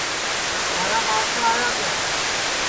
تھارا ماوسا آئیا کیا